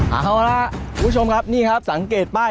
เอาล่ะคุณผู้ชมครับนี่ครับสังเกตป้าย